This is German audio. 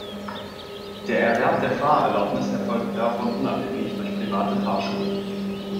Der Erwerb der Fahrerlaubnis erfolgt davon unabhängig durch private Fahrschulen.